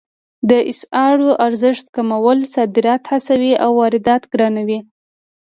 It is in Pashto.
د اسعارو ارزښت کمول صادرات هڅوي او واردات ګرانوي